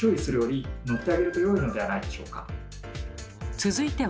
続いては。